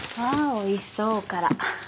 おいしそうおから。